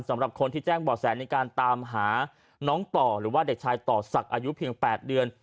สำหรับคนที่แจ้งบ่อแสในการตามหาน้องต่อหรือว่าเด็กชายต่อศักดิ์อายุเพียง๘เดือน